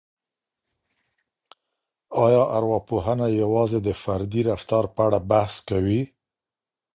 آیا ارواپوهنه یوازې د فردي رفتار په اړه بحث کوي؟